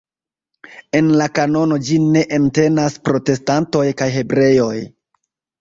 En la kanono ĝin ne entenas protestantoj kaj hebreoj.